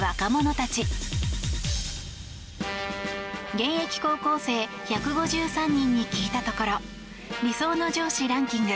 現役高校生１５３人に聞いたところ理想の上司ランキング